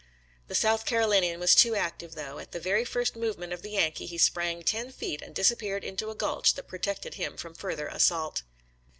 The South Carolinian was too active, though; at the very first movement of the Yankee, he sprang ten feet and disappeared into a gulch that pro tected him from further assault.